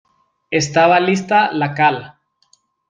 Estaba lista la cal.